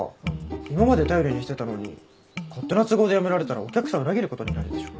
今まで頼りにしてたのに勝手な都合でやめられたらお客さん裏切ることになるでしょ。